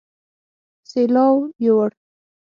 سېلاو يوړ